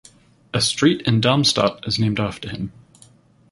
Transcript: A street in Darmstadt is named after him.